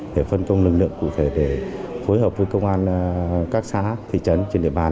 để phân công lực lượng cụ thể để phối hợp với công an các xã thị trấn trên địa bàn